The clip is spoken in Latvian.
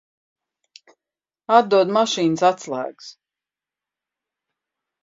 Atdod mašīnas atslēgas.